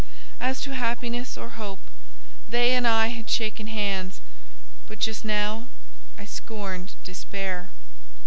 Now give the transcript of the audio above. As to Happiness or Hope, they and I had shaken hands, but just now—I scorned Despair.